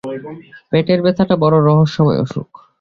পেটের ব্যথাটা বড় রহস্যময় অসুখ।